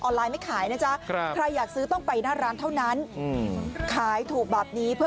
ออนไลน์ไม่ขายนะจ๊ะใครอยากซื้อต้องไปหน้าร้านเท่านั้น